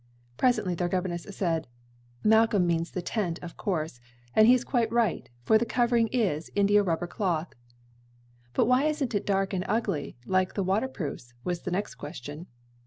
Presently their governess said, "Malcolm means the tent, of course; and he is quite right, for the covering is India rubber cloth." "But why isn't it dark and ugly, like the waterproofs?" was the next question.